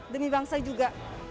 demi bangsa juga